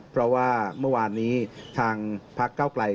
เพราะว่าเมื่อวานนี้ทางพักเก้าไกล